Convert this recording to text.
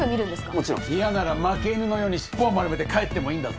もちろん嫌なら負け犬のように尻尾を丸めて帰ってもいいんだぞ